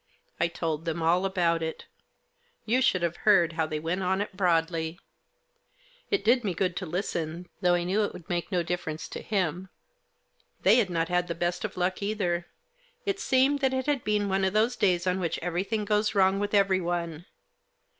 I told them all about it. You should have heard how they went on at Broadley. It did me good to listen, though I knew it would make no difference to him. They had not had the best of luck either. It seemed that it had been one of those days on which everything goes wrong with everyone.